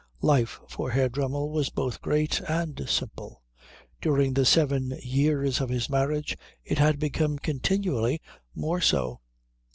Life for Herr Dremmel was both great and simple. During the seven years of his marriage it had become continually more so.